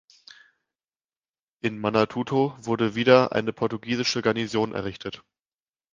In Manatuto wurde wieder eine portugiesische Garnison errichtet.